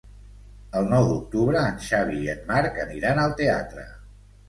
El nou d'octubre en Xavi i en Marc aniran al teatre.